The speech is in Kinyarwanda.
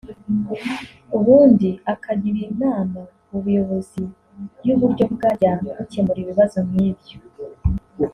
ubundi akagira inama ubuyobozi y’uburyo bwajya bukemura ibibazo nk’ibyo